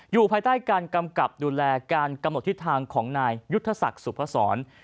อยู่ภายใต้การกำกับดูแลการกำหนดทิศทางของนายยุทธศักดิ์สุพศร